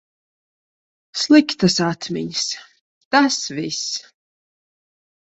Sliktas atmiņas, tas viss.